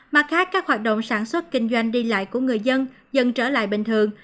mặt khác các hoạt động sản xuất kinh doanh đi lại của người dân dần trở lại bình thường